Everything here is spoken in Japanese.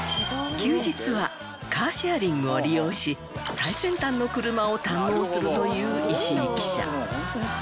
休日はカーシェアリングを利用し最先端の車を堪能するという石井記者